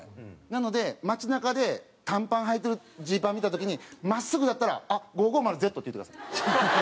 なので街なかで短パン穿いてるジーパン見た時に真っすぐだったら「あっ５５０Ｚ」って言ってください。